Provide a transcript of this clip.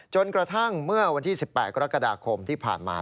กระทั่งเมื่อวันที่๑๘กรกฎาคมที่ผ่านมา